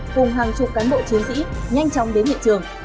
cùng hàng chục cán bộ chiến sĩ nhanh chóng đến hiện trường